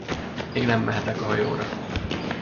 Még nem mehetek a hajóra!